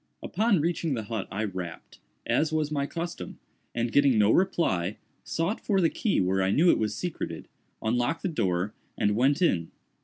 Upon reaching the hut I rapped, as was my custom, and getting no reply, sought for the key where I knew it was secreted, unlocked the door and went in.